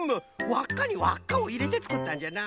わっかにわっかをいれてつくったんじゃな。